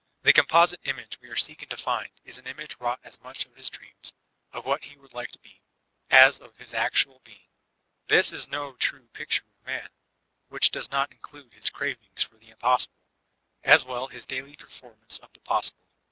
The composite image we are seeking to find is an image wrought as much of his dreams 362 YOLTAntlNE DE ClEVIB of what he would like to be, as of his actual htiog; thai is no true picture of Man, which does not include his cravings for the impossible, as weU as his daily perform ance of the possible.